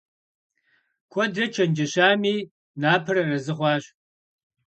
Куэдрэ чэнджэщами, Напэр арэзы хъуащ.